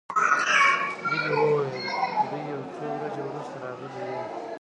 هيلې وویل دوی یو څو ورځې وروسته راغلې وې